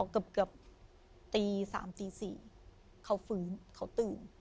เกือบตี๓ตี๔เขาฟื้นเขาตื่น